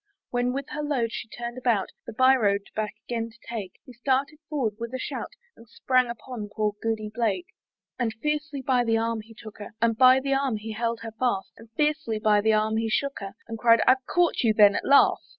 When with her load she turned about, The bye road back again to take, He started forward with a shout, And sprang upon poor Goody Blake. And fiercely by the arm he took her, And by the arm he held her fast, And fiercely by the arm he shook her, And cried, "I've caught you then at last!"